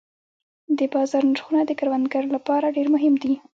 د بازار نرخونه د کروندګر لپاره ډېر مهم دي.